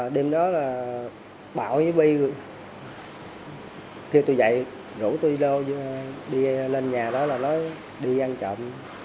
đêm đó là bảo với bi kêu tôi dậy rủ tôi đi lâu đi lên nhà đó là nói đi ăn trộm